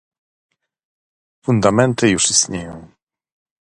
Fundamenty już istnieją